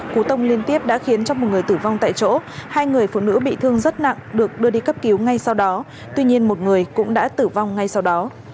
cú tông liên tiếp đã khiến cho một người tử vong tại chỗ hai người phụ nữ bị thương rất nặng được đưa đi cấp cứu ngay sau đó tuy nhiên một người cũng đã tử vong ngay sau đó